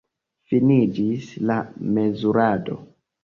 Finiĝis la mezurado.